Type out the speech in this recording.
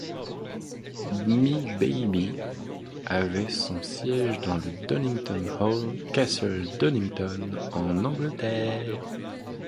Bmibaby avait son siège dans le Donington Hall, Castle Donington, en Angleterre.